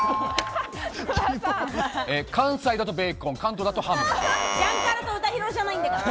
関西だとベーコン、関東だとハム。